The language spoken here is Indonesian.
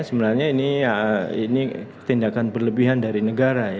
sebenarnya ini tindakan berlebihan dari negara ya